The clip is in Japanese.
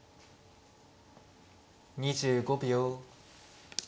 ２５秒。